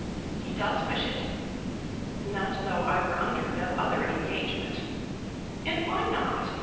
"He does wish it." "Not though I were under no other engagement." "And why not?"